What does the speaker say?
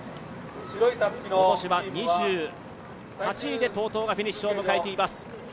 今年は２８位でＴＯＴＯがフィニッシュを迎えています。